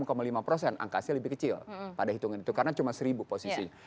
angkanya lebih kecil pada hitungan itu karena cuma seribu posisinya